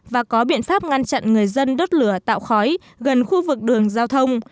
và có biện pháp ngăn chặn người dân đốt lửa tạo khói gần khu vực đường giao thông